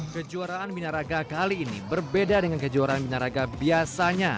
kejuaraan minaraga kali ini berbeda dengan kejuaraan minaraga biasanya